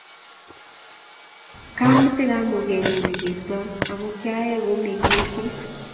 kamete kamugenyu ne kikertoi amu kiaee komek mising